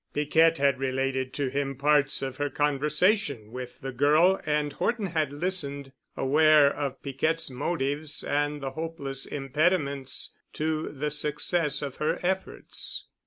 Piquette had related to him parts of her conversation with the girl and Horton had listened, aware of Piquette's motives and the hopeless impediments to the success of her efforts.